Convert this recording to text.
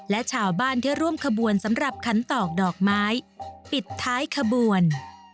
และชาวบ้านที่ร่วมขบวนสำหรับขันตอกดอกไม้ปิดท้ายขบวน